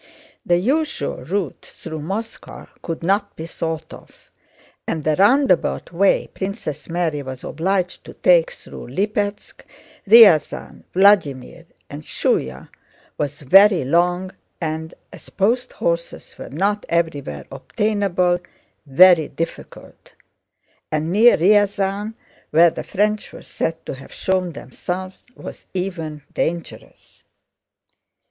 The usual route through Moscow could not be thought of, and the roundabout way Princess Mary was obliged to take through Lípetsk, Ryazán, Vladímir, and Shúya was very long and, as post horses were not everywhere obtainable, very difficult, and near Ryazán where the French were said to have shown themselves was even dangerous.